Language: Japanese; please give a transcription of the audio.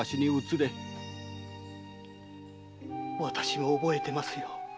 私も覚えてますよ。